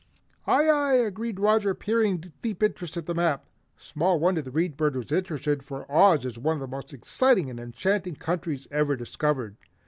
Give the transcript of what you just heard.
"Aye! Aye!" agreed Roger, peering with deep interest at the map. Small wonder the Read Bird was interested, for Oz is one of the most exciting and enchanting countries ever discovered.